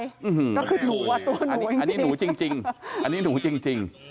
ก็คือหนูอ่ะตัวหนูจริงจริงอันนี้หนูจริงจริงอันนี้หนูจริงจริง